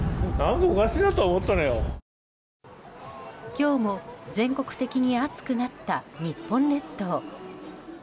今日も全国的に暑くなった日本列島。